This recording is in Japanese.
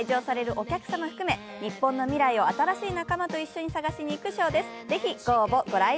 お客様含め、日本の未来を新しい仲間と一緒に探しにいくショーです。